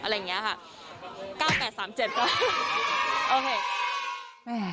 อะไรอย่างนี้ค่ะ